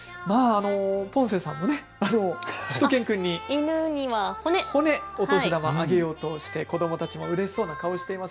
ポンセさんもしゅと犬くんに、犬には骨、お年玉をあげようとして子どもたちもうれしそうな顔をしています。